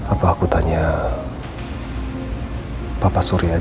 apa aku tanya bapak surya aja ya